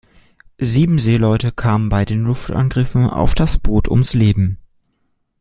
Sieben Seeleute kamen bei den Luftangriffen auf das Boot ums Leben.